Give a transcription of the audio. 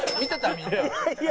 みんな。